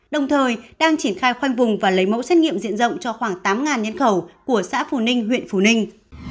đồng thời đang triển khai khoanh vùng và lấy mẫu xét nghiệm diện rộng cho khoảng tám nhân khẩu của xã phù ninh huyện phù ninh